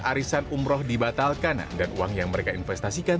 arisan umroh dibatalkan dan uang yang mereka investasikan